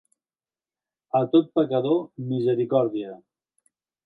A tot pecador, misericòrdia.